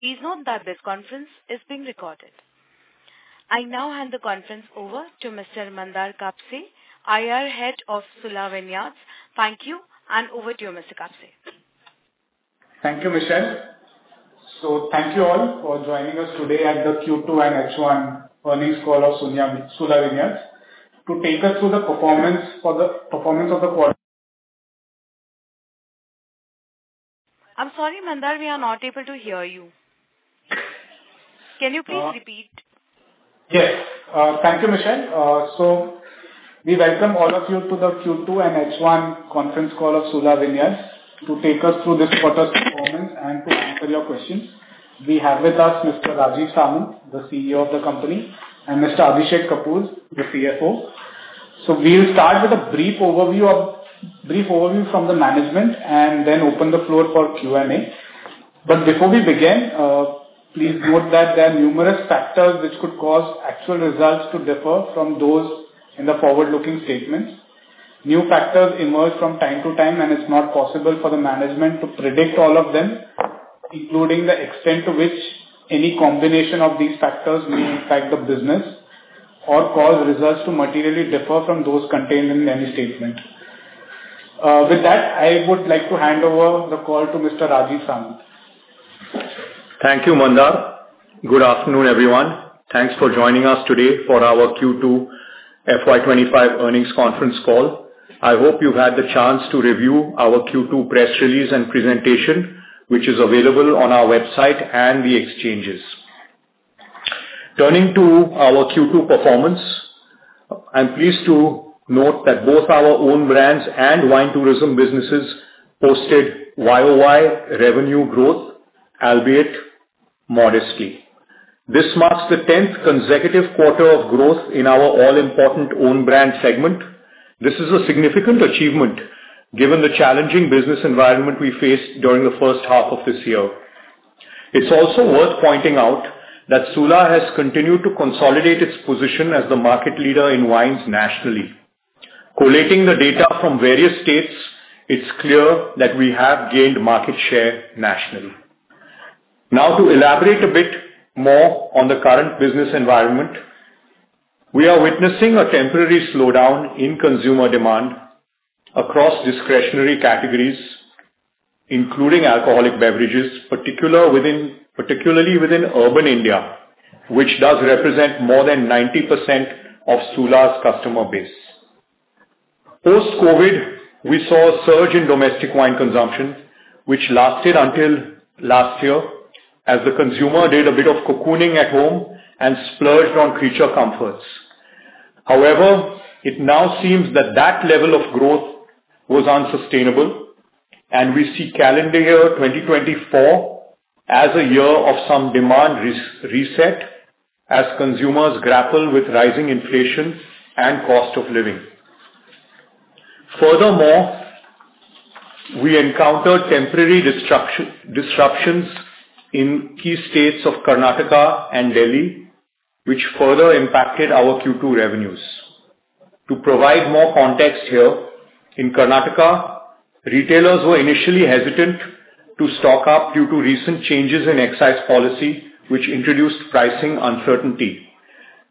Please note that this conference is being recorded. I now hand the conference over to Mr. Mandar Kapse, IR Head of Sula Vineyards. Thank you, and over to you, Mr. Kapse. Thank you, Michelle. So thank you all for joining us today at the Q2 and H1 earnings call of Sula Vineyards. To take us through the performance of the quarter- I'm sorry, Mandar, we are not able to hear you. Can you please repeat? Yes. Thank you, Michelle. So we welcome all of you to the Q2 and H1 conference call of Sula Vineyards. To take us through this quarter's performance and to answer your questions, we have with us Mr. Rajeev Samant, the CEO of the company, and Mr. Abhishek Kapoor, the CFO. So, we'll start with a brief overview from the management and then open the floor for Q&A. Before we begin, please note that there are numerous factors which could cause actual results to differ from those in the forward-looking statements. New factors emerge from time to time, and it's not possible for the management to predict all of them, including the extent to which any combination of these factors may impact the business or cause results to materially differ from those contained in any statement. With that, I would like to hand over the call to Mr. Rajeev Samant. Thank you, Mandar. Good afternoon, everyone. Thanks for joining us today for our Q2 FY25 earnings conference call. I hope you've had the chance to review our Q2 press release and presentation, which is available on our website and the exchanges. Turning to our Q2 performance, I'm pleased to note that both our own brands and wine tourism businesses posted Y-O-Y revenue growth, albeit modestly. This marks the tenth consecutive quarter of growth in our all-important own brand segment. This is a significant achievement given the challenging business environment we faced during the first half of this year. It's also worth pointing out that Sula has continued to consolidate its position as the market leader in wines nationally. Collating the data from various states, it's clear that we have gained market share nationally. Now to elaborate a bit more on the current business environment, we are witnessing a temporary slowdown in consumer demand across discretionary categories, including alcoholic beverages, particularly within urban India, which does represent more than 90% of Sula's customer base. Post-COVID, we saw a surge in domestic wine consumption, which lasted until last year, as the consumer did a bit of cocooning at home and splurged on creature comforts. However, it now seems that that level of growth was unsustainable, and we see calendar year 2024 as a year of some demand reset as consumers grapple with rising inflation and cost of living. Furthermore, we encountered temporary disruptions in key states of Karnataka and Delhi, which further impacted our Q2 revenues. To provide more context here, in Karnataka, retailers were initially hesitant to stock up due to recent changes in excise policy, which introduced pricing uncertainty.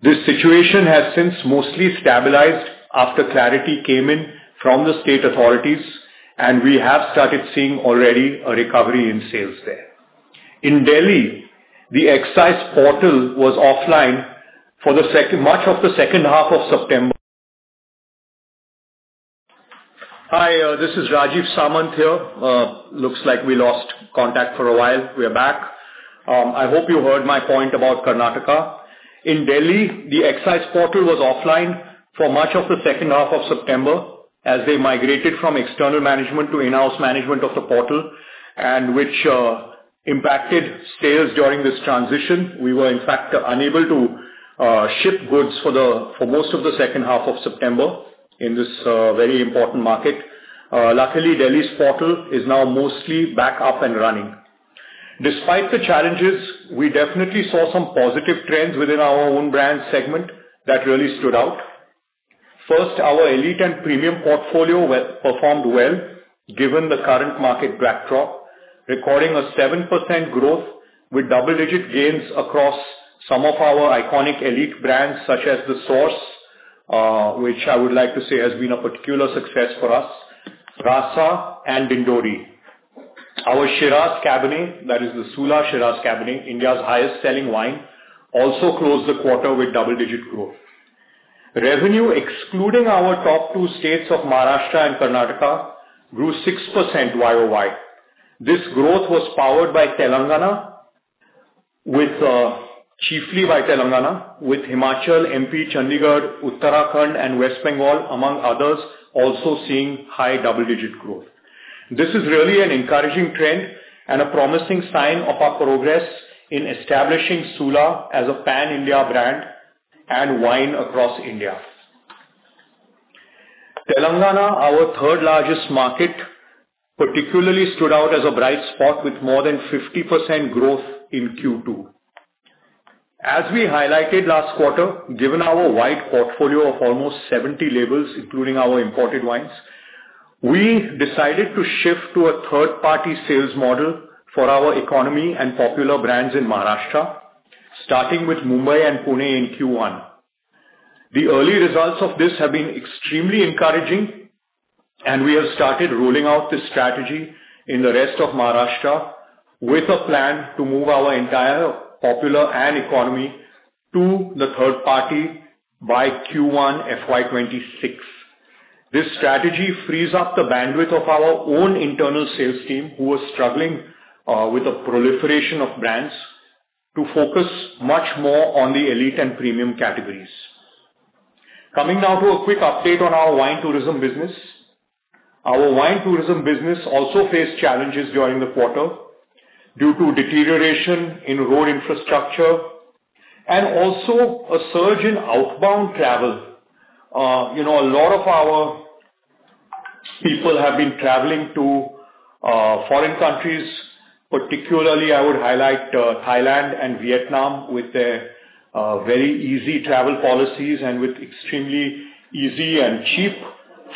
This situation has since mostly stabilized after clarity came in from the state authorities, and we have started seeing already a recovery in sales there. In Delhi, the excise portal was offline for the second, much of the second half of September. Hi, this is Rajeev Samant here. Looks like we lost contact for a while. We are back. I hope you heard my point about Karnataka. In Delhi, the excise portal was offline for much of the second half of September as they migrated from external management to in-house management of the portal, and which impacted sales during this transition. We were, in fact, unable to ship goods for the, for most of the second half of September in this very important market. Luckily, Delhi's portal is now mostly back up and running. Despite the challenges, we definitely saw some positive trends within our own brand segment that really stood out. First, our elite and premium portfolio performed well, given the current market backdrop, recording a 7% growth with double-digit gains across some of our iconic elite brands, such as The Source, which I would like to say has been a particular success for us, Rasa and Dindori. Our Shiraz Cabernet, that is the Sula Shiraz Cabernet, India's highest-selling wine, also closed the quarter with double-digit growth. Revenue, excluding our top two states of Maharashtra and Karnataka, grew 6% year-over-year. This growth was powered by Telangana, with, chiefly by Telangana, with Himachal, MP, Chandigarh, Uttarakhand and West Bengal, among others, also seeing high double-digit growth. This is really an encouraging trend and a promising sign of our progress in establishing Sula as a pan-India brand and wine across India. Telangana, our third largest market, particularly stood out as a bright spot with more than 50% growth in Q2. As we highlighted last quarter, given our wide portfolio of almost 70 labels, including our imported wines, we decided to shift to a third-party sales model for our economy and popular brands in Maharashtra, starting with Mumbai and Pune in Q1. The early results of this have been extremely encouraging, and we have started rolling out this strategy in the rest of Maharashtra with a plan to move our entire popular and economy to the third party by Q1 FY2026. This strategy frees up the bandwidth of our own internal sales team, who were struggling with the proliferation of brands, to focus much more on the elite and premium categories. Coming now to a quick update on our wine tourism business. Our wine tourism business also faced challenges during the quarter due to deterioration in road infrastructure and also a surge in outbound travel. You know, a lot of our people have been traveling to foreign countries, particularly I would highlight Thailand and Vietnam, with their very easy travel policies and with extremely easy and cheap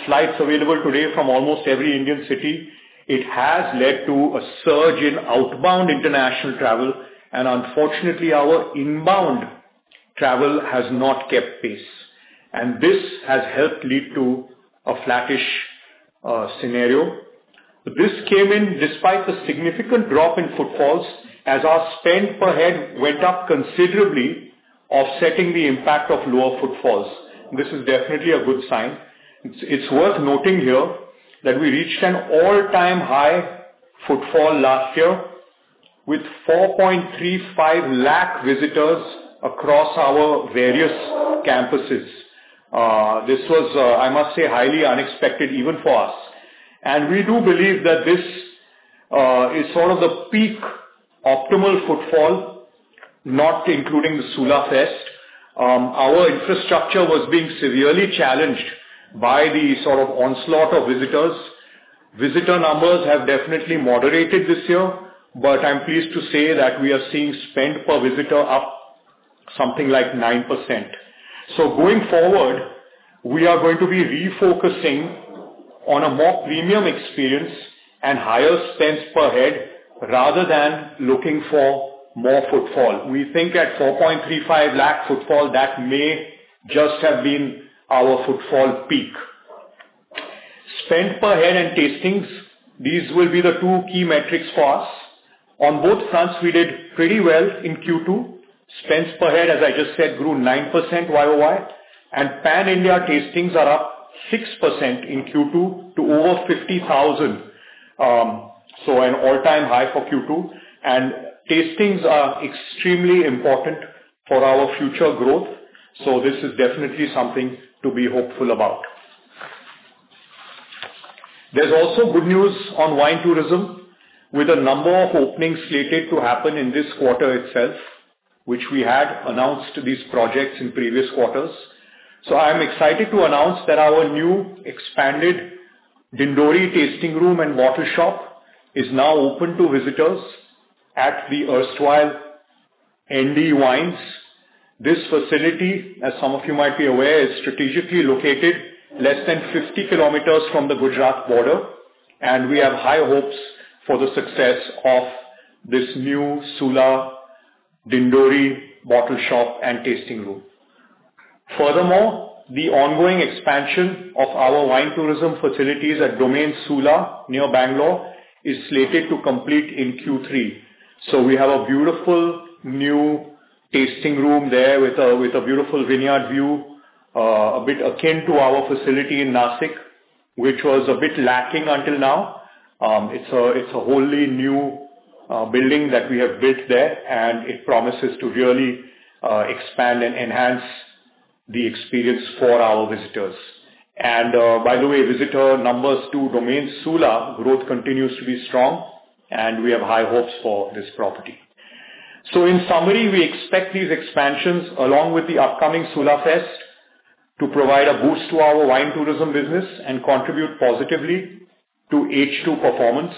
flights available today from almost every Indian city. It has led to a surge in outbound international travel, and unfortunately, our inbound travel has not kept pace, and this has helped lead to a flattish scenario. This came in despite a significant drop in footfalls as our spend per head went up considerably, offsetting the impact of lower footfalls. This is definitely a good sign. It's worth noting here that we reached an all-time high footfall last year with 4.35 lakh visitors across our various campuses. This was, I must say, highly unexpected even for us, and we do believe that this is sort of the peak optimal footfall, not including the Sula Fest. Our infrastructure was being severely challenged by the sort of onslaught of visitors. Visitor numbers have definitely moderated this year, but I'm pleased to say that we are seeing spend per visitor up something like 9%. So going forward, we are going to be refocusing on a more premium experience and higher spends per head rather than looking for more footfall. We think at 435,000 footfall, that may just have been our footfall peak. Spend per head and tastings, these will be the two key metrics for us. On both fronts, we did pretty well in Q2. Spends per head, as I just said, grew 9% year-over-year, and pan-India tastings are up 6% in Q2 to over 50,000, so an all-time high for Q2. And tastings are extremely important for our future growth, so this is definitely something to be hopeful about. There's also good news on wine tourism, with a number of openings slated to happen in this quarter itself, which we had announced these projects in previous quarters. So I'm excited to announce that our new expanded Dindori tasting room and bottle shop is now open to visitors at the erstwhile ND Wines. This facility, as some of you might be aware, is strategically located less than 50 kilometers from the Gujarat border, and we have high hopes for the success of this new Sula Dindori bottle shop and tasting room. Furthermore, the ongoing expansion of our wine tourism facilities at Domaine Sula, near Bengaluru, is slated to complete in Q3. So we have a beautiful new tasting room there with a beautiful vineyard view, a bit akin to our facility in Nashik, which was a bit lacking until now. It's a wholly new building that we have built there, and it promises to really expand and enhance the experience for our visitors. And, by the way, visitor numbers to Domaine Sula, growth continues to be strong, and we have high hopes for this property. So in summary, we expect these expansions, along with the upcoming SulaFest, to provide a boost to our wine tourism business and contribute positively to H2 performance.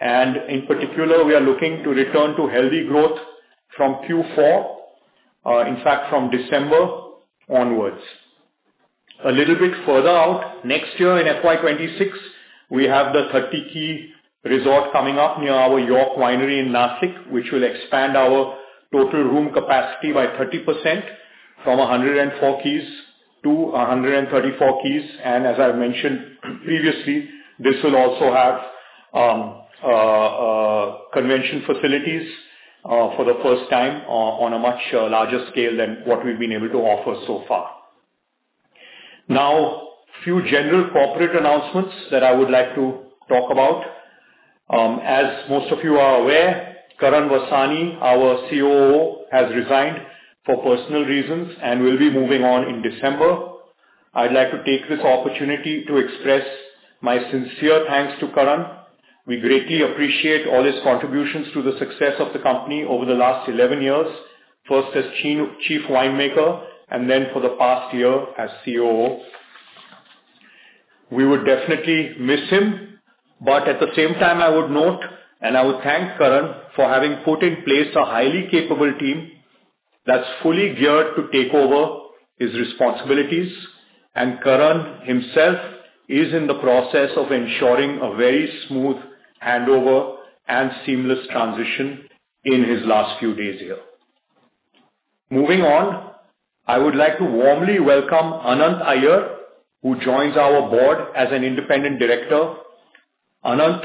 And in particular, we are looking to return to healthy growth from Q4, in fact, from December onwards. A little bit further out, next year in FY 2026, we have the 30-key resort coming up near our York Winery in Nashik, which will expand our total room capacity by 30% from 104 keys to 134 keys. And as I've mentioned previously, this will also have, convention facilities, for the first time, on a much larger scale than what we've been able to offer so far. Now, a few general corporate announcements that I would like to talk about. As most of you are aware, Karan Vasani, our COO, has resigned for personal reasons and will be moving on in December. I'd like to take this opportunity to express my sincere thanks to Karan. We greatly appreciate all his contributions to the success of the company over the last 11 years, first as Chief Winemaker, and then for the past year as COO. We will definitely miss him. But at the same time, I would note, and I would thank Karan for having put in place a highly capable team that's fully geared to take over his responsibilities, and Karan himself is in the process of ensuring a very smooth handover and seamless transition in his last few days here. Moving on, I would like to warmly welcome Anant Iyer, who joins our board as an independent director. Anant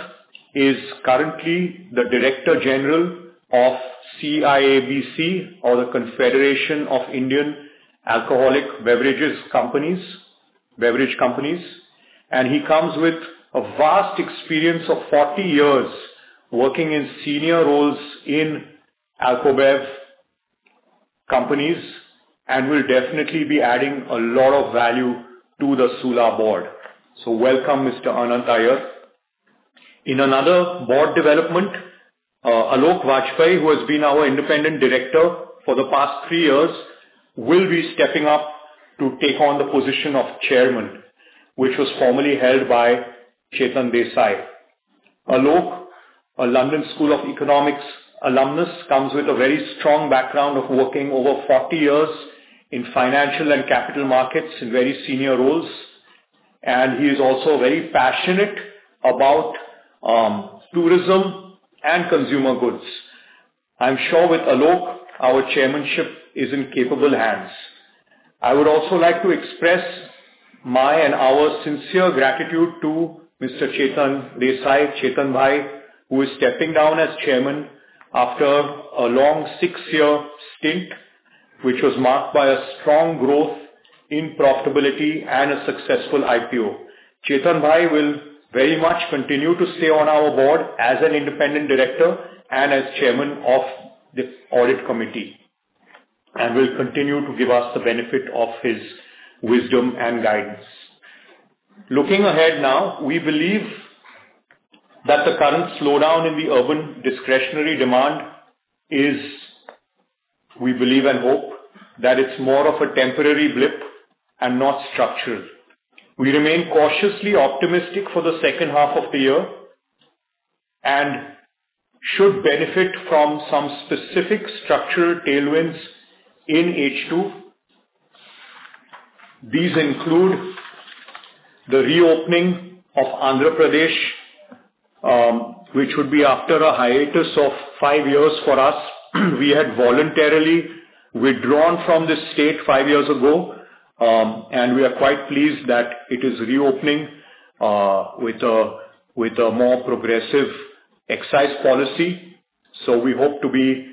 is currently the Director General of CIABC, or the Confederation of Indian Alcoholic Beverage Companies, and he comes with a vast experience of 40 years working in senior roles in Alcobev companies, and will definitely be adding a lot of value to the Sula board. So welcome, Mr. Anant Iyer. In another board development, Alok Bajpai, who has been our independent director for the past 3 years, will be stepping up to take on the position of chairman, which was formerly held by Chetan Desai. Alok, a London School of Economics alumnus, comes with a very strong background of working over 40 years in financial and capital markets in very senior roles, and he is also very passionate about tourism and consumer goods. I'm sure with Alok, our chairmanship is in capable hands. I would also like to express my and our sincere gratitude to Mr. Chetan Desai, Chetan Bhai, who is stepping down as Chairman after a long six-year stint, which was marked by a strong growth in profitability and a successful IPO. Chetan Bhai will very much continue to stay on our board as an independent director and as Chairman of the Audit Committee, and will continue to give us the benefit of his wisdom and guidance. Looking ahead now, we believe that the current slowdown in the urban discretionary demand is... We believe and hope that it's more of a temporary blip and not structural. We remain cautiously optimistic for the second half of the year, and should benefit from some specific structural tailwinds in H2. These include the reopening of Andhra Pradesh, which would be after a hiatus of five years for us. We had voluntarily withdrawn from this state 5 years ago, and we are quite pleased that it is reopening, with a more progressive excise policy. So we hope to be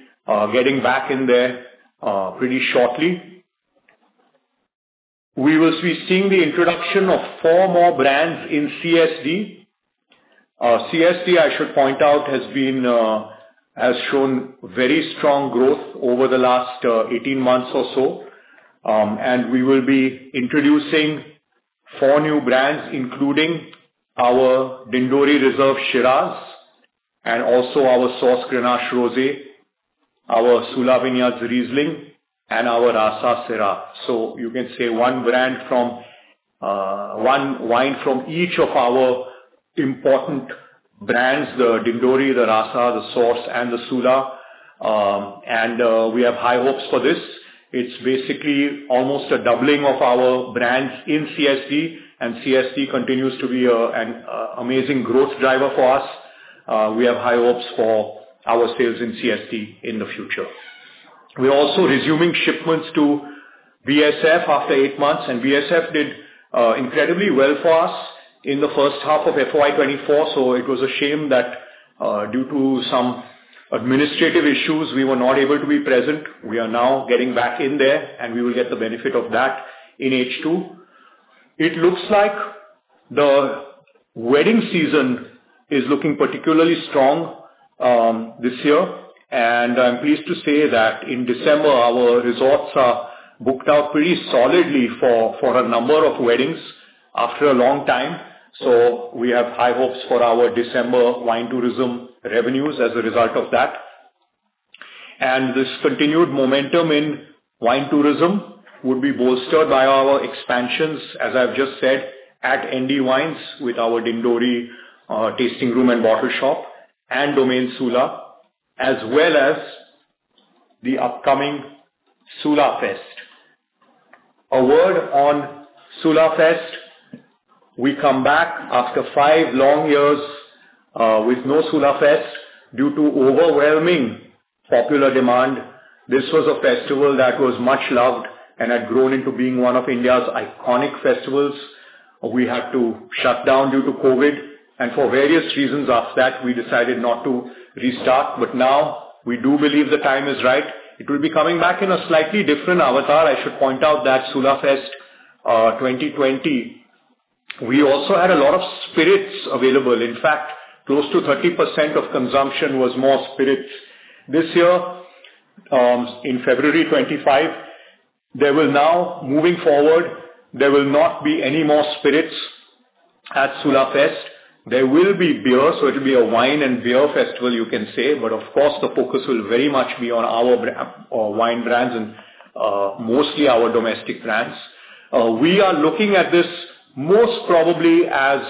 getting back in there pretty shortly. We will be seeing the introduction of 4 more brands in CSD. CSD, I should point out, has shown very strong growth over the last 18 months or so. And we will be introducing 4 new brands, including our Dindori Reserve Shiraz and also our Source Grenache Rosé, our Sula Vineyards Riesling, and our Rasa Syrah. So you can say one brand from one wine from each of our important brands, the Dindori, the Rasa, the Source, and the Sula. And we have high hopes for this. It's basically almost a doubling of our brands in CSD, and CSD continues to be an amazing growth driver for us. We have high hopes for our sales in CSD in the future. We're also resuming shipments to BSF after 8 months, and BSF did incredibly well for us in the first half of FY 2024. So, it was a shame that due to some administrative issues, we were not able to be present. We are now getting back in there, and we will get the benefit of that in H2. It looks like the wedding season is looking particularly strong this year. And I'm pleased to say that in December, our resorts are booked out pretty solidly for a number of weddings after a long time. So, we have high hopes for our December wine tourism revenues as a result of that. This continued momentum in wine tourism would be bolstered by our expansions, as I've just said, at ND Wines, with our Dindori tasting room and bottle shop and Domaine Sula, as well as the upcoming Sula Fest. A word on Sula Fest. We come back after five long years with no Sula Fest due to overwhelming popular demand. This was a festival that was much loved and had grown into being one of India's iconic festivals. We had to shut down due to COVID, and for various reasons after that, we decided not to restart. But now we do believe the time is right. It will be coming back in a slightly different avatar. I should point out that Sula Fest 2020, we also had a lot of spirits available. In fact, close to 30% of consumption was more spirits. This year, in February 2025, moving forward, there will not be any more spirits at Sula Fest. There will be beer, so it will be a wine and beer festival, you can say, but of course, the focus will very much be on our wine brands and mostly our domestic brands. We are looking at this most probably as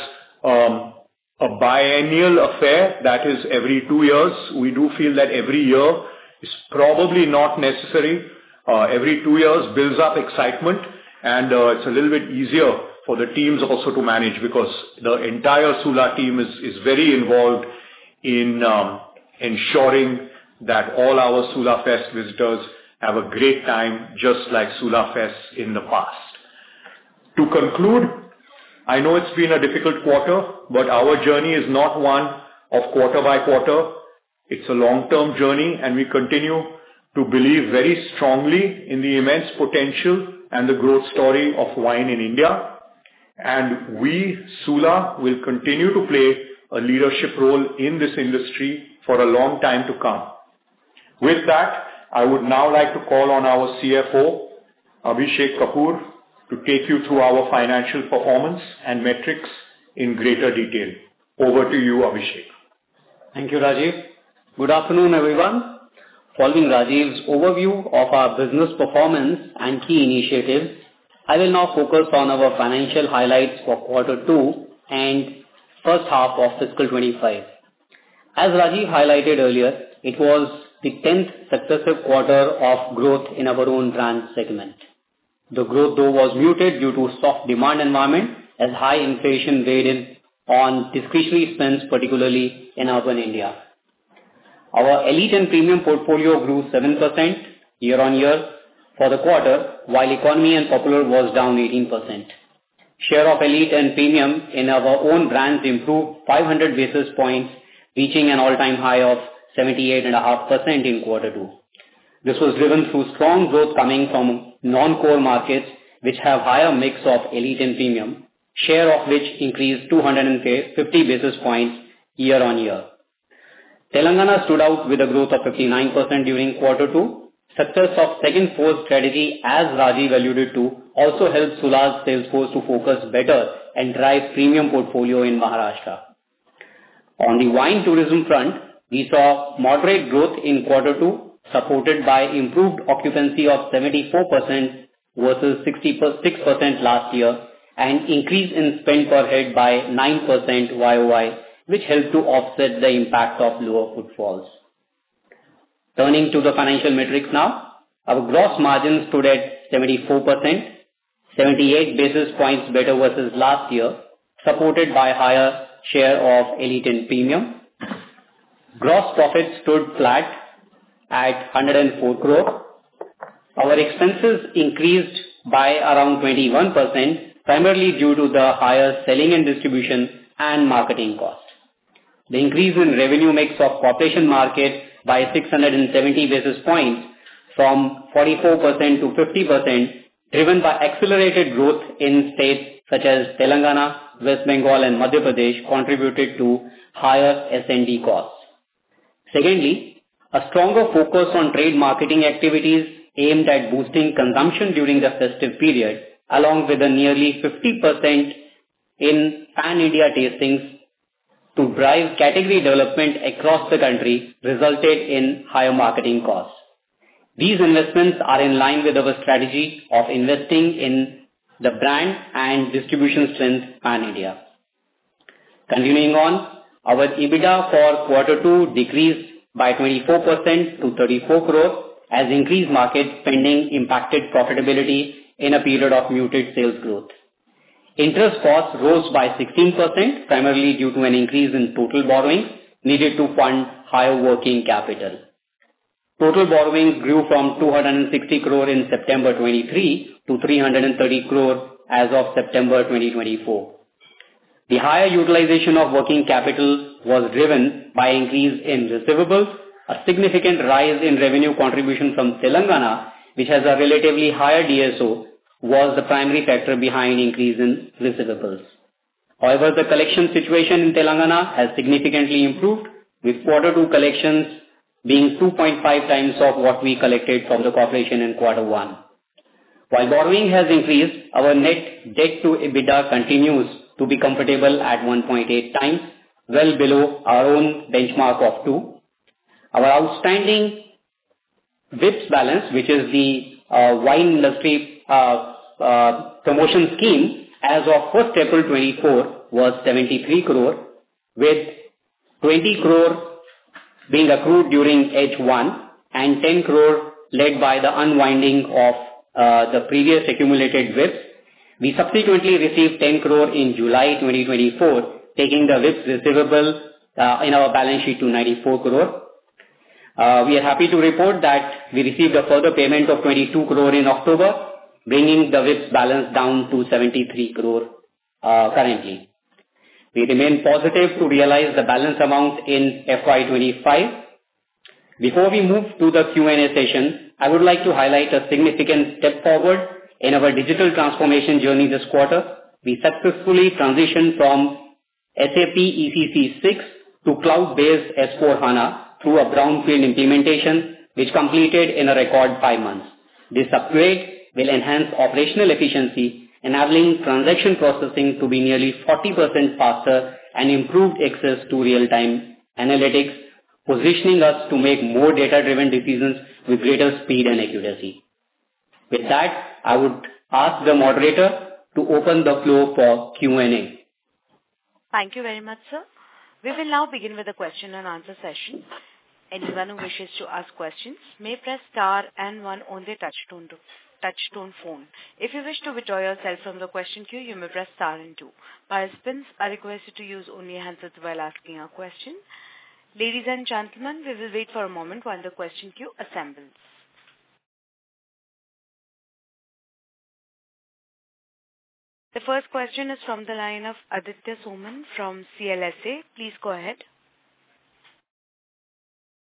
a biennial affair, that is every two years. We do feel that every year is probably not necessary. Every two years builds up excitement, and it's a little bit easier for the teams also to manage because the entire Sula team is very involved in ensuring that all our Sula Fest visitors have a great time, just like Sula Fests in the past. To conclude, I know it's been a difficult quarter, but our journey is not one of quarter by quarter. It's a long-term journey, and we continue to believe very strongly in the immense potential and the growth story of wine in India. We, Sula, will continue to play a leadership role in this industry for a long time to come. With that, I would now like to call on our CFO, Abhishek Kapoor, to take you through our financial performance and metrics in greater detail. Over to you, Abhishek. Thank you, Rajeev. Good afternoon, everyone. Following Rajeev's overview of our business performance and key initiatives, I will now focus on our financial highlights for quarter two and first half of fiscal 2025. As Rajeev highlighted earlier, it was the 10th successive quarter of growth in our own brand segment. The growth, though, was muted due to soft demand environment, as high inflation weighed in on discretionary spends, particularly in urban India. Our elite and premium portfolio grew 7% year-on-year for the quarter, while economy and popular was down 18%. Share of elite and premium in our own brands improved 500 basis points, reaching an all-time high of 78.5% in quarter two. This was driven through strong growth coming from non-core markets, which have higher mix of elite and premium, share of which increased 250 basis points year-on-year. Telangana stood out with a growth of 59% during quarter two. Success of second force strategy, as Rajeev alluded to, also helped Sula's sales force to focus better and drive premium portfolio in Maharashtra. On the wine tourism front, we saw moderate growth in quarter two, supported by improved occupancy of 74% versus 66% last year, an increase in spend per head by 9% YOY, which helped to offset the impact of lower footfalls. Turning to the financial metrics now. Our gross margin stood at 74%, 78 basis points better versus last year, supported by higher share of elite and premium. Gross profit stood flat at 104 crore. Our expenses increased by around 21%, primarily due to the higher selling and distribution and marketing costs. The increase in revenue mix of corporation market by 670 basis points from 44% to 50%, driven by accelerated growth in states such as Telangana, West Bengal and Madhya Pradesh, contributed to higher S&D costs. Secondly, a stronger focus on trade marketing activities aimed at boosting consumption during the festive period, along with a nearly 50% in Pan-India tastings to drive category development across the country, resulted in higher marketing costs. These investments are in line with our strategy of investing in the brand and distribution strength Pan-India. Continuing on, our EBITDA for quarter two decreased by 24% to 34 crore as increased market spending impacted profitability in a period of muted sales growth. Interest costs rose by 16%, primarily due to an increase in total borrowings needed to fund higher working capital. Total borrowings grew from 260 crore in September 2023 to 330 crore as of September 2024. The higher utilization of working capital was driven by increase in receivables. A significant rise in revenue contribution from Telangana, which has a relatively higher DSO, was the primary factor behind increase in receivables. However, the collection situation in Telangana has significantly improved, with quarter two collections being 2.5 times of what we collected from the corporation in quarter one. While borrowing has increased, our net debt to EBITDA continues to be comfortable at 1.8 times, well below our own benchmark of two. Our outstanding WIPS balance, which is the Wine Industry Promotion Scheme as of April 1, 2024, was 73 crore, with 20 crore being accrued during H1 and 10 crore led by the unwinding of the previous accumulated WIPS. We subsequently received 10 crore in July 2024, taking the WIPS receivable in our balance sheet to 94 crore. We are happy to report that we received a further payment of 22 crore in October, bringing the WIPS balance down to 73 crore currently. We remain positive to realize the balance amount in FY25. Before we move to the Q&A session, I would like to highlight a significant step forward in our digital transformation journey this quarter. We successfully transitioned from SAP ECC 6 to cloud-based S/4HANA through a greenfield implementation, which completed in a record five months. This upgrade will enhance operational efficiency, enabling transaction processing to be nearly 40% faster and improved access to real-time analytics-... positioning us to make more data-driven decisions with greater speed and accuracy. With that, I would ask the moderator to open the floor for Q&A. Thank you very much, sir. We will now begin with the question and answer session. Anyone who wishes to ask questions may press star and one on their touchtone phone. If you wish to withdraw yourself from the question queue, you may press star and two. Participants are requested to use only the handset while asking a question. Ladies and gentlemen, we will wait for a moment while the question queue assembles. The first question is from the line of Aditya Soman from CLSA. Please go ahead.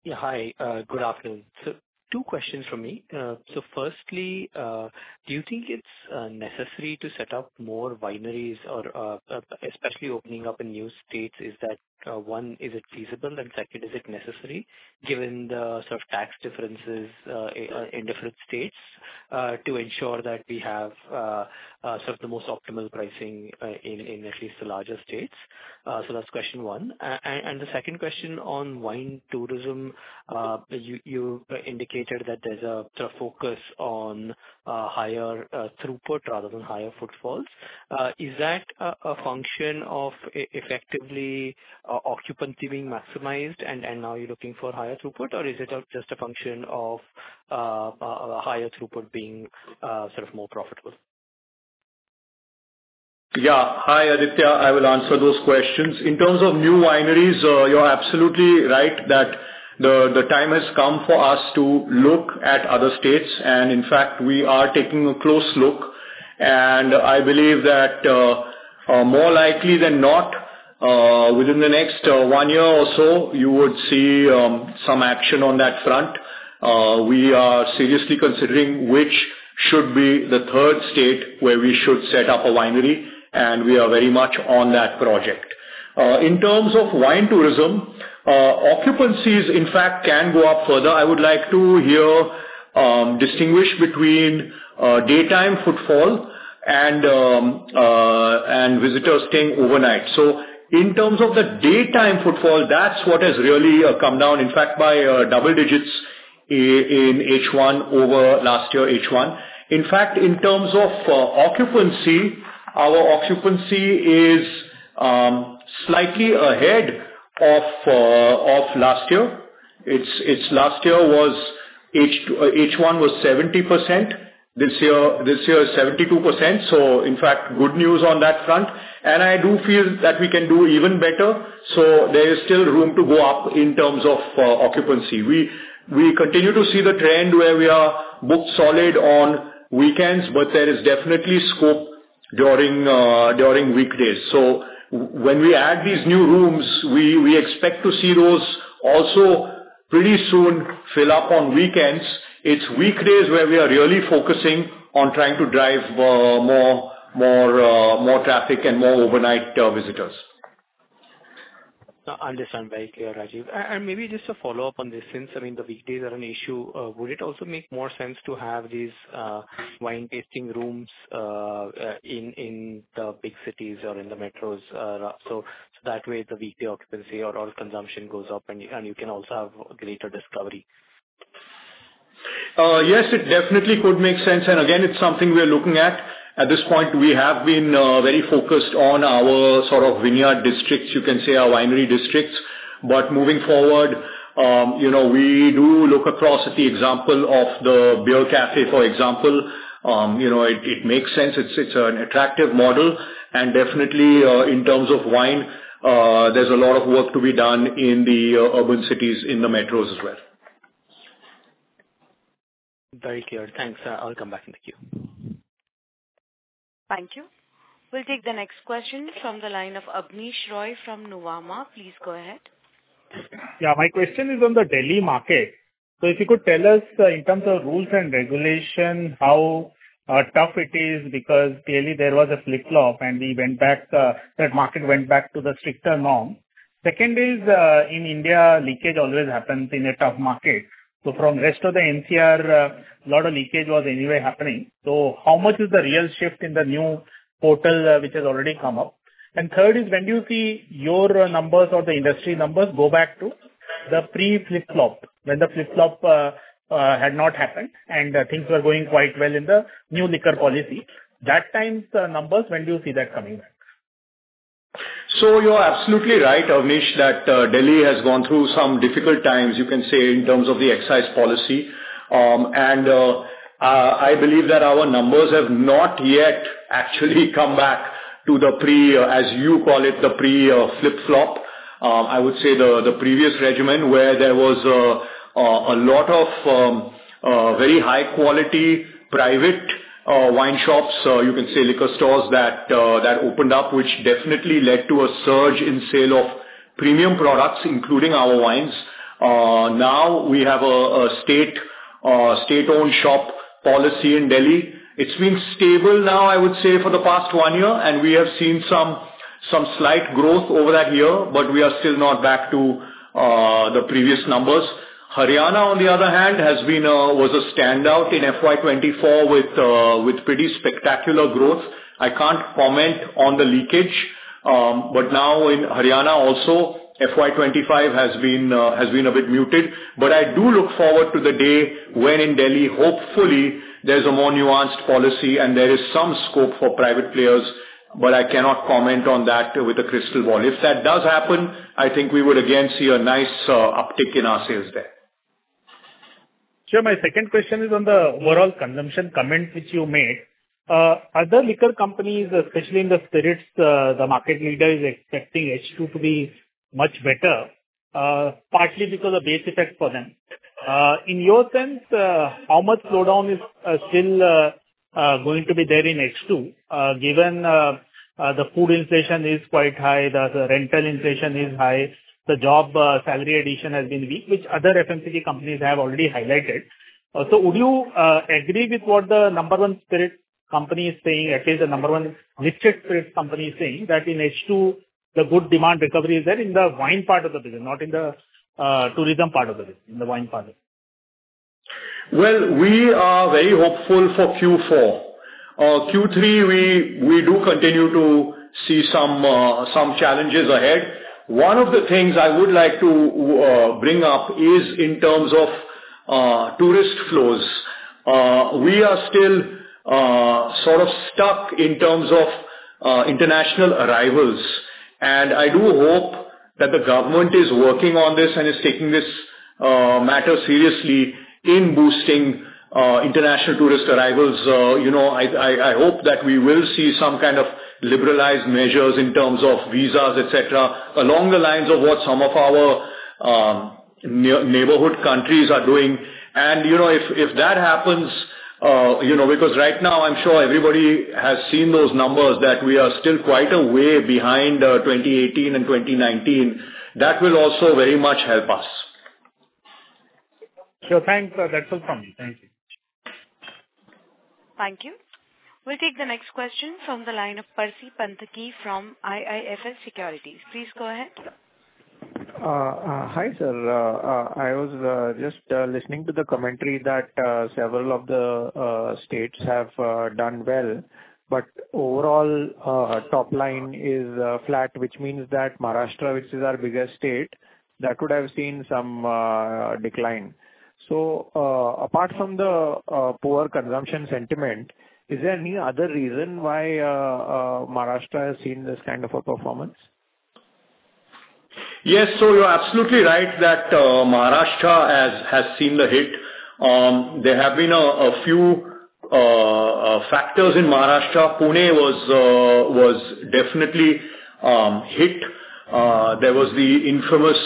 Yeah. Hi, good afternoon. So two questions from me. So firstly, do you think it's necessary to set up more wineries or, especially opening up in new states, is that one, is it feasible? And second, is it necessary given the sort of tax differences in different states to ensure that we have sort of the most optimal pricing in at least the larger states? So that's question one. And the second question on wine tourism. You indicated that there's the focus on higher throughput rather than higher footfalls. Is that a function of effectively occupancy being maximized, and now you're looking for higher throughput? Or is it just a function of higher throughput being sort of more profitable? Yeah. Hi, Aditya. I will answer those questions. In terms of new wineries, you're absolutely right that the time has come for us to look at other states, and in fact, we are taking a close look, and I believe that, more likely than not, within the next one year or so, you would see some action on that front. We are seriously considering which should be the third state where we should set up a winery, and we are very much on that project. In terms of wine tourism, occupancies, in fact, can go up further. I would like to hear distinguish between daytime footfall and visitors staying overnight. So in terms of the daytime footfall, that's what has really come down, in fact, by double digits in H1 over last year, H1. In fact, in terms of occupancy, our occupancy is slightly ahead of last year. Its last year was H1 was 70%. This year is 72%, so in fact, good news on that front. And I do feel that we can do even better, so there is still room to go up in terms of occupancy. We continue to see the trend where we are booked solid on weekends, but there is definitely scope during weekdays. So, when we add these new rooms, we expect to see those also pretty soon fill up on weekends. It's weekdays where we are really focusing on trying to drive more traffic and more overnight visitors. Understand. Very clear, Rajeev. And maybe just a follow-up on this. Since, I mean, the weekdays are an issue, would it also make more sense to have these wine tasting rooms in the big cities or in the metros? So that way the weekly occupancy or all consumption goes up, and you can also have greater discovery. Yes, it definitely could make sense, and again, it's something we are looking at. At this point, we have been very focused on our sort of vineyard districts, you can say, our winery districts. But moving forward, you know, we do look across at the example of the beer cafe, for example. You know, it makes sense. It's an attractive model, and definitely, in terms of wine, there's a lot of work to be done in the urban cities, in the metros as well. Very clear. Thanks. I'll come back in the queue. Thank you. We'll take the next question from the line of Abneesh Roy from Nuvama. Please go ahead. Yeah, my question is on the Delhi market. So if you could tell us, in terms of rules and regulation, how tough it is, because clearly there was a flip-flop, and we went back, that market went back to the stricter norm. Second is, in India, leakage always happens in a tough market. So from rest of the NCR, lot of leakage was anyway happening. So how much is the real shift in the new portal, which has already come up? And third is, when do you see your numbers or the industry numbers go back to the pre-flip-flop, when the flip-flop had not happened, and things were going quite well in the new liquor policy? That time's numbers, when do you see that coming back? So you're absolutely right, Abneesh, that Delhi has gone through some difficult times, you can say, in terms of the excise policy. I believe that our numbers have not yet actually come back to the pre, as you call it, the pre flip-flop. I would say the previous regime, where there was a lot of very high quality private wine shops, you can say liquor stores, that opened up, which definitely led to a surge in sale of premium products, including our wines. Now we have a state-owned shop policy in Delhi. It's been stable now, I would say, for the past one year, and we have seen some slight growth over that year, but we are still not back to the previous numbers. Haryana, on the other hand, has been, was a standout in FY 2024 with. It's pretty spectacular growth. I can't comment on the leakage, but now in Haryana also, FY 2025 has been, has been a bit muted. But I do look forward to the day when in Delhi, hopefully, there's a more nuanced policy, and there is some scope for private players, but I cannot comment on that with a crystal ball. If that does happen, I think we would again see a nice, uptick in our sales there. Sure. My second question is on the overall consumption comment which you made. Other liquor companies, especially in the spirits, the market leader is expecting H2 to be much better, partly because of base effect for them. In your sense, how much slowdown is still going to be there in H2? Given the food inflation is quite high, the rental inflation is high, the job salary addition has been weak, which other FMCG companies have already highlighted. So, would you agree with what the number one spirit company is saying, at least the number one listed spirit company is saying, that in H2, the good demand recovery is there in the wine part of the business, not in the tourism part of the business, in the wine part? Well, we are very hopeful for Q4. Q3, we do continue to see some challenges ahead. One of the things I would like to bring up is in terms of tourist flows. We are still sort of stuck in terms of international arrivals, and I do hope that the government is working on this and is taking this matter seriously in boosting international tourist arrivals. You know, I hope that we will see some kind of liberalized measures in terms of visas, et cetera, along the lines of what some of our neighborhood countries are doing. And, you know, if that happens, you know, because right now I'm sure everybody has seen those numbers, that we are still quite a way behind 2018 and 2019. That will also very much help us. Sure, thanks. That's all from me. Thank you. Thank you. We'll take the next question from the line of Percy Panthaki from IIFL Securities. Please go ahead. Hi, sir. I was just listening to the commentary that several of the states have done well, but overall, top line is flat, which means that Maharashtra, which is our biggest state, that would have seen some decline. So, apart from the poor consumption sentiment, is there any other reason why Maharashtra has seen this kind of a performance? Yes. So, you're absolutely right that, Maharashtra has seen the hit. There have been a few factors in Maharashtra. Pune was definitely hit. There was the infamous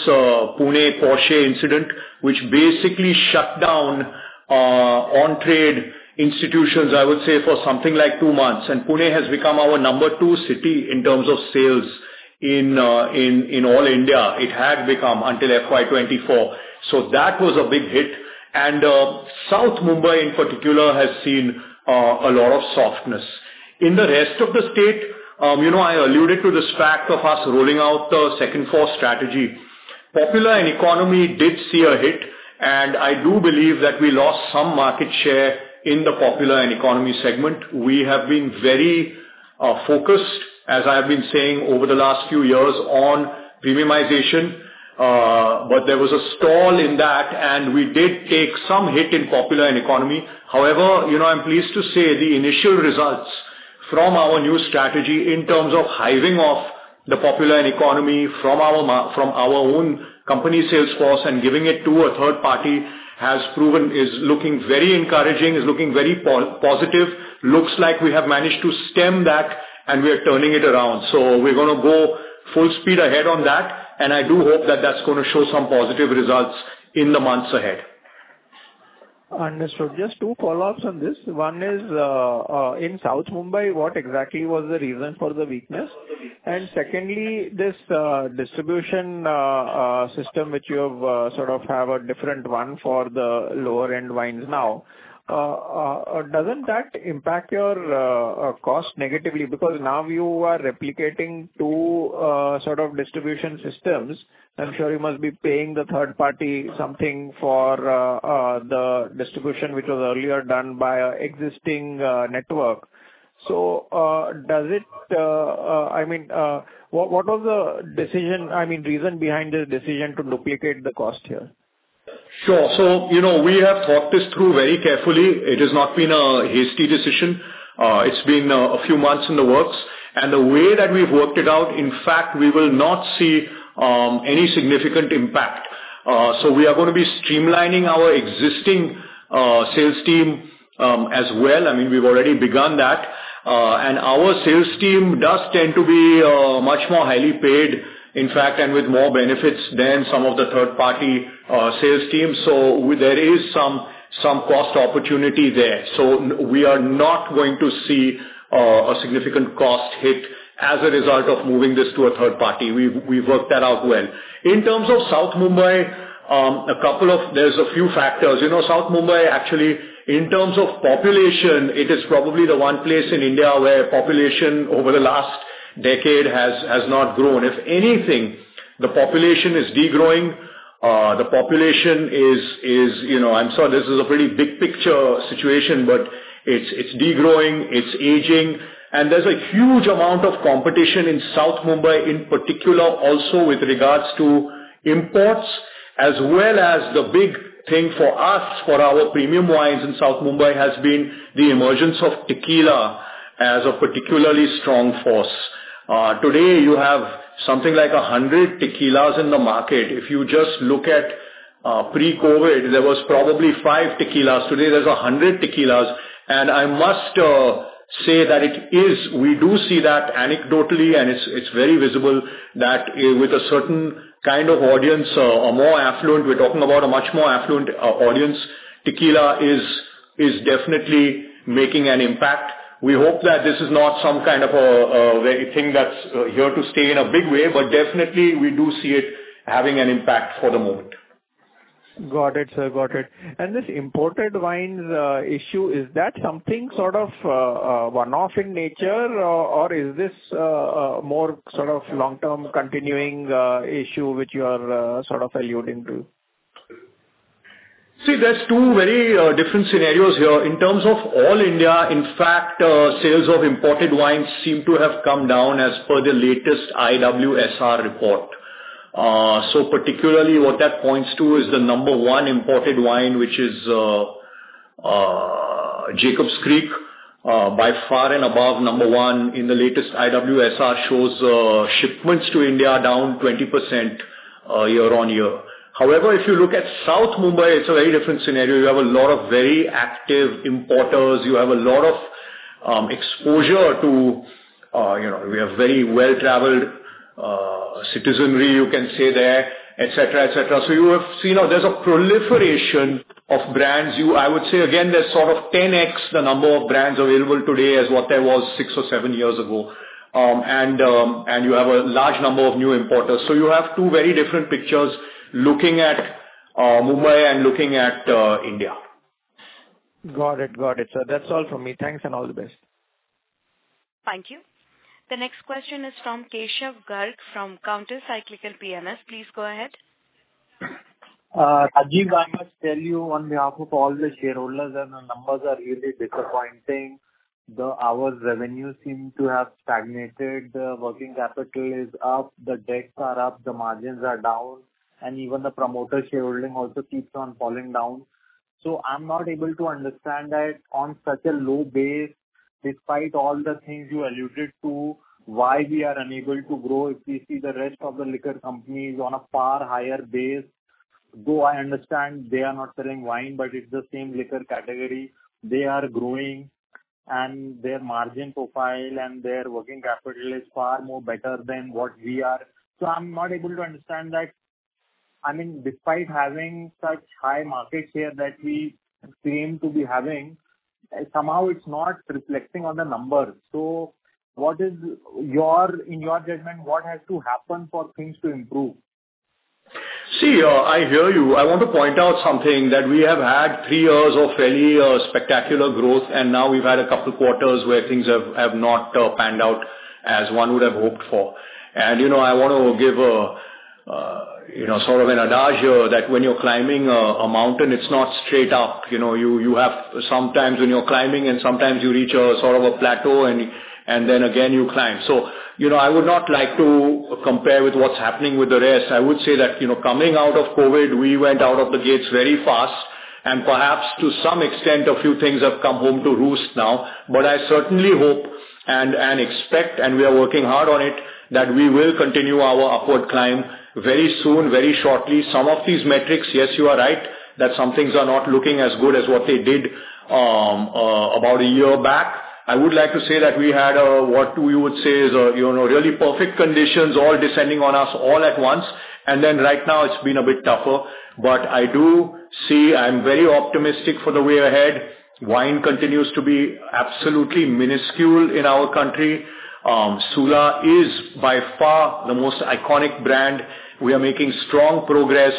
Pune Porsche incident, which basically shut down on-trade institutions, I would say, for something like two months, and Pune has become our number two city in terms of sales in all India. It had become until FY 2024. So that was a big hit. And South Mumbai, in particular, has seen a lot of softness. In the rest of the state, you know, I alluded to this fact of us rolling out the second-floor strategy. Popular and economy did see a hit, and I do believe that we lost some market share in the popular and economy segment. We have been very focused, as I have been saying over the last few years, on premiumization, but there was a stall in that, and we did take some hit in popular and economy. However, you know, I'm pleased to say the initial results from our new strategy in terms of hiving off the popular and economy from our own company sales force and giving it to a third party, has proven is looking very encouraging, is looking very positive. Looks like we have managed to stem that, and we are turning it around. So, we're gonna go full speed ahead on that, and I do hope that that's gonna show some positive results in the months ahead. Understood. Just two follow-ups on this. One is, in South Mumbai, what exactly was the reason for the weakness? And secondly, this distribution system, which you've sort of have a different one for the lower-end wines now, doesn't that impact your cost negatively? Because now you are replicating two sort of distribution systems. I'm sure you must be paying the third party something for the distribution, which was earlier done by our existing network. So, does it... I mean, what, what was the decision, I mean, reason behind the decision to duplicate the cost here? Sure. So, you know, we have thought this through very carefully. It has not been a hasty decision. It's been a few months in the works, and the way that we've worked it out, in fact, we will not see any significant impact. So, we are gonna be streamlining our existing sales team as well. I mean, we've already begun that. And our sales team does tend to be much more highly paid, in fact, and with more benefits than some of the third-party sales teams, so we- there is some cost opportunity there. So, we are not going to see a significant cost hit as a result of moving this to a third party. We've worked that out well. In terms of South Mumbai, a couple of... there's a few factors. You know, South Mumbai, actually, in terms of population, it is probably the one place in India where population over the last decade has not grown. If anything, the population is degrowing. The population is, you know, I'm sorry, this is a pretty big picture situation, but it's degrowing, it's aging, and there's a huge amount of competition in South Mumbai, in particular, also with regards to imports, as well as the big thing for us, for our premium wines in South Mumbai, has been the emergence of tequila as a particularly strong force. Today, you have something like 100 tequilas in the market. If you just look at pre-COVID, there was probably five tequilas. Today, there's 100 tequilas, and I must say that it is... We do see that anecdotally, and it's very visible, that with a certain kind of audience, a more affluent, we're talking about a much more affluent audience, tequila is definitely making an impact. We hope that this is not some kind of a very thing that's here to stay in a big way, but definitely we do see it having an impact for the moment. Got it, sir. Got it. And this imported wines issue, is that something sort of one-off in nature, or, or is this more sort of long-term continuing issue, which you are sort of alluding to? See, there's two very different scenarios here. In terms of all-India, in fact, sales of imported wines seem to have come down as per the latest IWSR report. So particularly what that points to is the number one imported wine, which is Jacob's Creek, by far and above number one in the latest IWSR, shows shipments to India are down 20%, year-on-year. However, if you look at South Mumbai, it's a very different scenario. You have a lot of very active importers. You have a lot of exposure to, you know, we have very well-traveled citizenry, you can say there, et cetera, et cetera. So, you have... So, you know, there's a proliferation of brands. You—I would say again, there's sort of 10x the number of brands available today as what there was six or seven years ago. You have a large number of new importers. So you have two very different pictures looking at Mumbai and looking at India. Got it. Got it, sir. That's all from me. Thanks, and all the best. Thank you. The next question is from Keshav Garg, from Counter Cyclical PMS. Please go ahead. Rajeev, I must tell you on behalf of all the shareholders that the numbers are really disappointing. Our revenues seem to have stagnated, the working capital is up, the debts are up, the margins are down, and even the promoter shareholding also keeps on falling down. So I'm not able to understand that on such a low base, despite all the things you alluded to, why we are unable to grow if we see the rest of the liquor companies on a far higher base? Though I understand they are not selling wine, but it's the same liquor category. They are growing, and their margin profile and their working capital is far more better than what we are. So I'm not able to understand that. I mean, despite having such high market share that we seem to be having, somehow it's not reflecting on the numbers. So what is your... In your judgment, what has to happen for things to improve? See, I hear you. I want to point out something, that we have had three years of fairly spectacular growth, and now we've had a couple quarters where things have not panned out as one would have hoped for. And, you know, I want to give a, you know, sort of an adage here, that when you're climbing a mountain, it's not straight up. You know, you have sometimes when you're climbing and sometimes you reach a sort of a plateau, and then again you climb. So, you know, I would not like to compare with what's happening with the rest. I would say that, you know, coming out of COVID, we went out of the gates very fast, and perhaps to some extent, a few things have come home to roost now. But I certainly hope and expect, and we are working hard on it, that we will continue our upward climb very soon, very shortly. Some of these metrics, yes, you are right, that some things are not looking as good as what they did about a year back. I would like to say that we had what we would say is a, you know, really perfect conditions all descending on us all at once, and then right now it's been a bit tougher. But I do see... I'm very optimistic for the way ahead. Wine continues to be absolutely minuscule in our country. Sula is by far the most iconic brand. We are making strong progress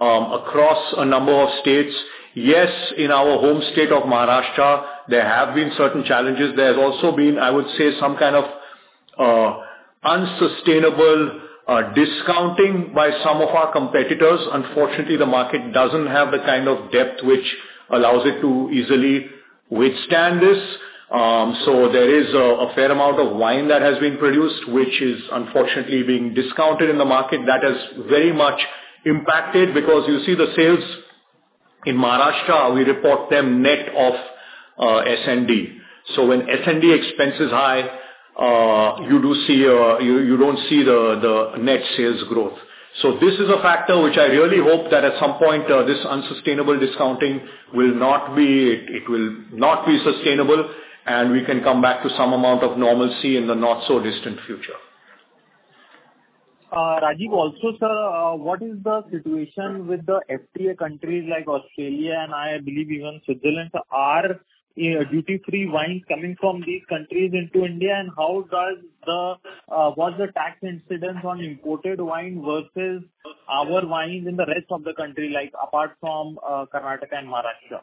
across a number of states. Yes, in our home state of Maharashtra, there have been certain challenges. There has also been, I would say, some kind of, unsustainable, discounting by some of our competitors. Unfortunately, the market doesn't have the kind of depth which allows it to easily withstand this. So there is a fair amount of wine that has been produced, which is unfortunately being discounted in the market. That has very much impacted because you see the sales in Maharashtra, we report them net of, S&D. So when S&D expense is high, you don't see the net sales growth. So this is a factor which I really hope that at some point, this unsustainable discounting will not be... It will not be sustainable, and we can come back to some amount of normalcy in the not-so-distant future. Rajeev, also, sir, what is the situation with the FTA countries like Australia, and I believe even Switzerland? Are duty-free wines coming from these countries into India, and how does the... What's the tax incidence on imported wine versus our wine in the rest of the country, like, apart from Karnataka and Maharashtra?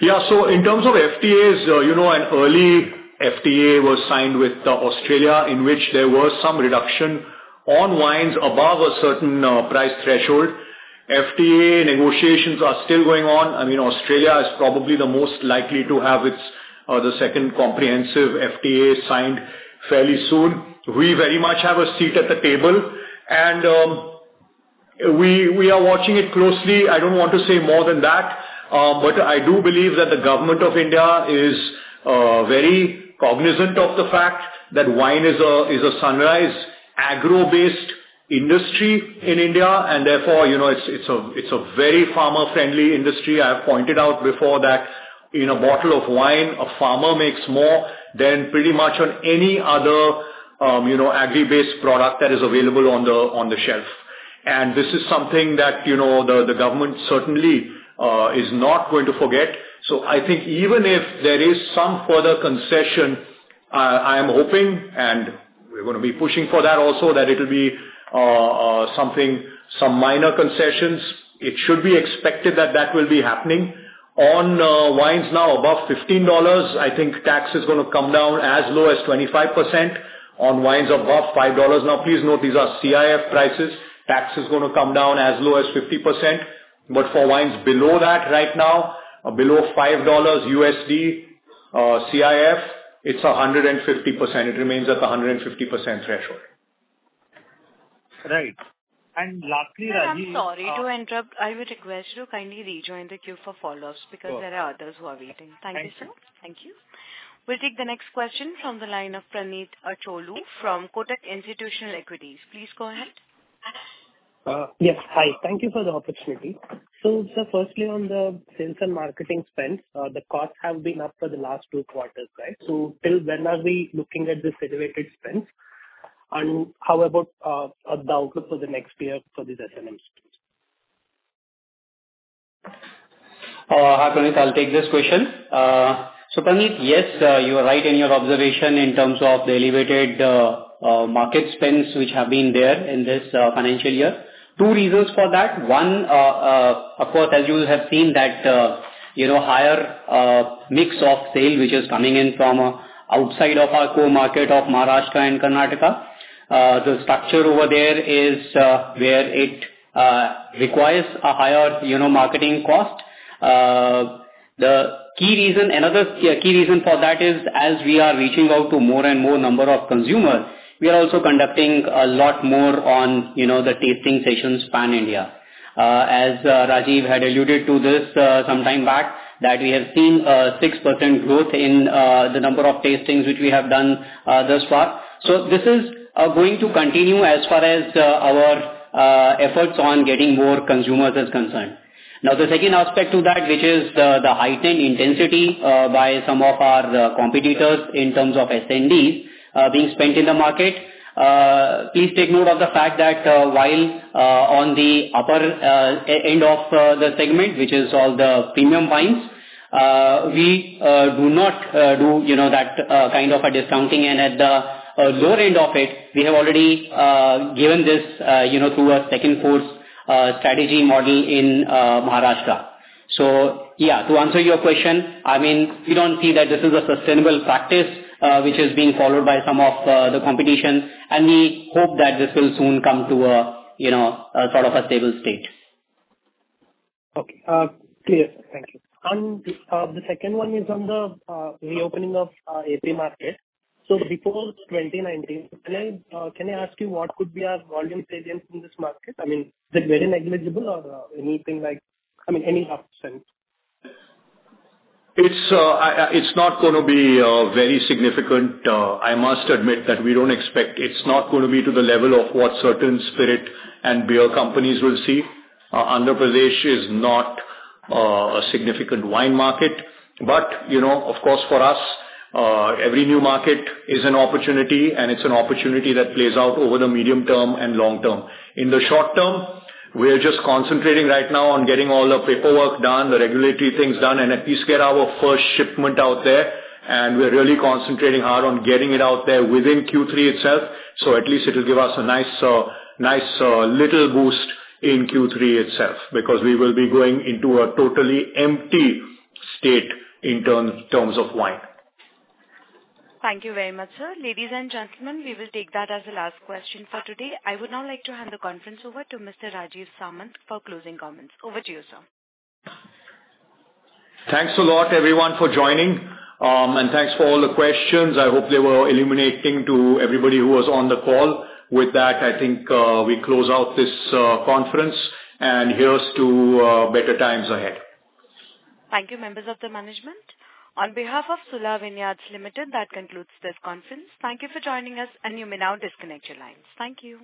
...Yeah, so in terms of FTAs, you know, an early FTA was signed with Australia, in which there was some reduction on wines above a certain price threshold. FTA negotiations are still going on. I mean, Australia is probably the most likely to have its the second comprehensive FTA signed fairly soon. We very much have a seat at the table, and, we, we are watching it closely. I don't want to say more than that, but I do believe that the government of India is very cognizant of the fact that wine is a, is a sunrise agro-based industry in India, and therefore, you know, it's, it's a, it's a very farmer-friendly industry. I have pointed out before that in a bottle of wine, a farmer makes more than pretty much on any other, you know, agri-based product that is available on the, on the shelf. And this is something that, you know, the, the government certainly is not going to forget. So, I think even if there is some further concession, I am hoping, and we're gonna be pushing for that also, that it'll be, something, some minor concessions. It should be expected that that will be happening. On wines now above $15, I think tax is gonna come down as low as 25%. On wines above $5, now please note these are CIF prices, tax is gonna come down as low as 50%. But for wines below that right now, below $5 USD, CIF, it's 150%. It remains at the 150% threshold. Right. And lastly, Rajeev, Sir, I'm sorry to interrupt. I would request you to kindly rejoin the queue for follow-ups because there are others who are waiting. Okay. Thank you, sir. Thank you. Thank you. We'll take the next question from the line of Praneet Acholu from Kotak Institutional Equities. Please go ahead. Yes. Hi, thank you for the opportunity. So sir, firstly, on the sales and marketing spends, the costs have been up for the last two quarters, right? So till when are we looking at this elevated spends? And how about, the outlook for the next year for this S&M spends? Hi, Praneet, I'll take this question. So Praneet, yes, you are right in your observation in terms of the elevated market spends, which have been there in this financial year. Two reasons for that. One, of course, as you have seen that, you know, higher mix of sale, which is coming in from outside of our core market of Maharashtra and Karnataka, the structure over there is, where it requires a higher, you know, marketing cost. The key reason, another key reason for that is as we are reaching out to more and more number of consumers, we are also conducting a lot more on, you know, the tasting sessions pan-India. As Rajeev had alluded to this some time back, that we have seen 6% growth in the number of tastings which we have done thus far. So, this is going to continue as far as our efforts on getting more consumers is concerned. Now, the second aspect to that, which is the heightened intensity by some of our competitors in terms of S&D being spent in the market. Please take note of the fact that while on the upper end of the segment, which is all the premium wines, we do not do you know that kind of a discounting. And at the lower end of it, we have already given this you know through a second force strategy model in Maharashtra. So yeah, to answer your question, I mean, we don't see that this is a sustainable practice, which is being followed by some of the competition, and we hope that this will soon come to a, you know, a sort of a stable state. Okay, clear. Thank you. And, the second one is on the reopening of AP market. So before 2019, can I, can I ask you what could be our volume presence in this market? I mean, is it very negligible or anything like... I mean, any upfront? It's not gonna be very significant. I must admit that we don't expect... It's not gonna be to the level of what certain spirit and beer companies will see. Andhra Pradesh is not a significant wine market, but, you know, of course, for us, every new market is an opportunity, and it's an opportunity that plays out over the medium term and long term. In the short term, we are just concentrating right now on getting all the paperwork done, the regulatory things done, and at least get our first shipment out there, and we're really concentrating hard on getting it out there within Q3 itself. So at least it'll give us a nice little boost in Q3 itself, because we will be going into a totally empty state in terms of wine. Thank you very much, sir. Ladies and gentlemen, we will take that as the last question for today. I would now like to hand the conference over to Mr. Rajeev Samant for closing comments. Over to you, sir. Thanks a lot, everyone, for joining, and thanks for all the questions. I hope they were illuminating to everybody who was on the call. With that, I think, we close out this conference, and here's to better times ahead. Thank you, members of the management. On behalf of Sula Vineyards Limited, that concludes this conference. Thank you for joining us, and you may now disconnect your lines. Thank you.